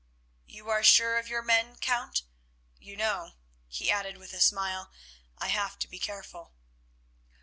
"You are sure of your men, Count? You know," he added, with a smile, "I have to be careful."